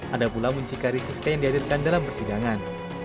ada pula muncika risiska yang dihadirkan dalam persidangan